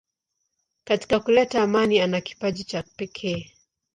Katika kuleta amani ana kipaji cha pekee.